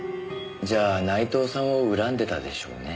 じゃあ内藤さんを恨んでたでしょうね。